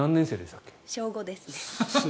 小５です。